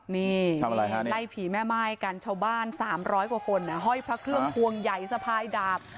นี่ไล่ผีแม่ม่ายกันชาวบ้าน๓๐๐กว่าคนห้อยพระเครื่องพวงใหญ่สะพายดาบ